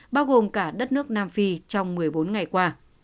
bao gồm cả đất nước nam phi trong một mươi bốn ngày qua